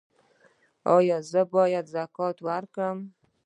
ایا زه باید زکات ورکړم؟